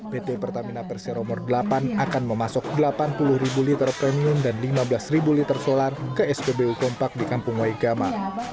pt pertamina perseromor delapan akan memasuk delapan puluh ribu liter premium dan lima belas liter solar ke spbu kompak di kampung waigama